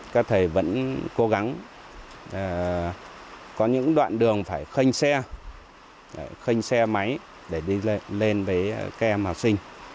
các thầy vẫn cố gắng có những đoạn đường phải khênh xe khênh xe máy để đi lên với các em học sinh